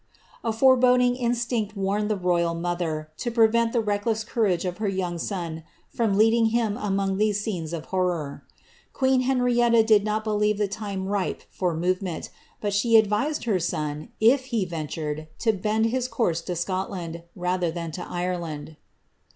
'* A foreboding instinct warned the royal mother to prevent the reckless courage of her young son from leading him among these scenes of horror.* Queen Henrietta did not believe the time ripe for movement; but she advised her son, if he ventured, to bend his course to Scotland, rather than to Ireland.